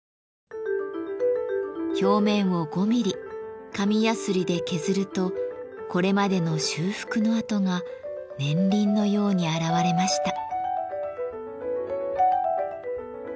表面を５ミリ紙やすりで削るとこれまでの修復の跡が年輪のように現れました。